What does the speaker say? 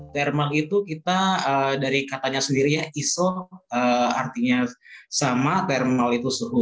thermal itu kita dari katanya sendiri ya iso artinya sama thermal itu suhu